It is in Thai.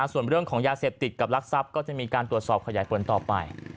ส่วนเรื่องของยาเสพติดกับรักทรัพย์ก็จะมีการตรวจสอบขยายผลต่อไป